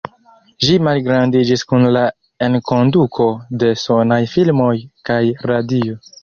Ĝi malgrandiĝis kun la enkonduko de sonaj filmoj kaj radio.